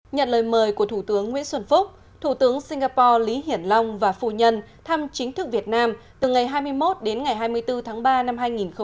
nhận lời mời của thủ tướng nguyễn xuân phúc thủ tướng singapore lý hiển long và phu nhân thăm chính thức việt nam từ ngày hai mươi một đến ngày hai mươi bốn tháng ba năm hai nghìn hai mươi